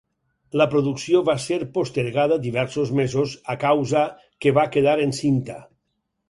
La producció va ser postergada diversos mesos a causa que va quedar encinta.